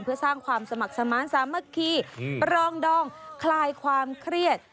เพื่อสร้างความสมัครสมาร์ทสามัคคีปรองดองคลายความเครียด